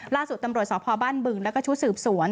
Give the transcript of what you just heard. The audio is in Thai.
ล่าสุดตำรวจสพบ้านบึงแล้วก็ชุดสืบสวน